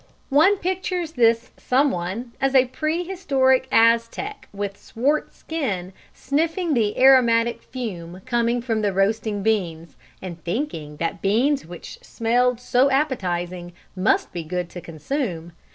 One pictures this "someone," a pre historic Aztec with swart skin, sniffing the aromatic fume coming from the roasting beans, and thinking that beans which smelled so appetising must be good to consume.